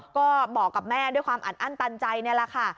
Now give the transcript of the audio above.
ก็บอกกับแม่ด้วยความอัดอั้นตันใจนี่แหละค่ะ